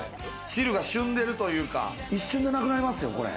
汁がしゅんでるというか、一瞬でなくなりますよ、これ。